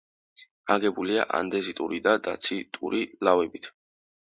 აგებულია ანდეზიტური და დაციტური ლავებით.